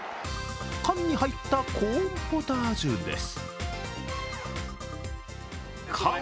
缶に入ったコーンポタージュです。